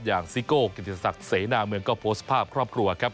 อย่างซิโก่กิจสัตว์เสนาเมืองก็โพสต์ภาพครอบครัวครับ